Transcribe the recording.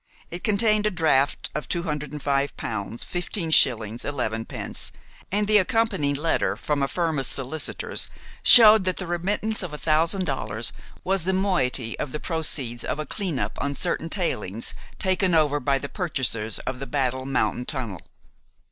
It contained a draft for 205 pounds, 15 shillings, 11 pence, and the accompanying letter from a firm of solicitors showed that the remittance of a thousand dollars was the moiety of the proceeds of a clean up on certain tailings taken over by the purchasers of the Battle Mountain tunnel.